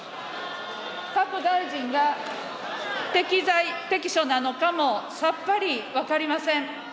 各大臣が適材適所なのかもさっぱり分かりません。